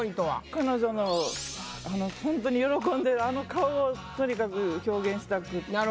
彼女のほんとに喜んでるあの顔をとにかく表現したくって。